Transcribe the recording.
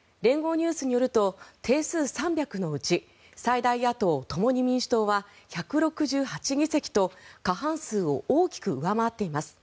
ニュースによると定数３００のうち最大野党・共に民主党は１６８議席と過半数を大きく上回っています。